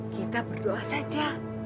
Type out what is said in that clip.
kita berdoa saja